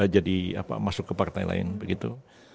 jadi masuk ke partai lain begitu